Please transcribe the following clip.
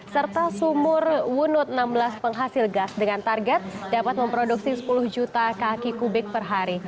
serta sumur wunut enam belas penghasil gas dengan target dapat memproduksi sepuluh juta kaki kubik per hari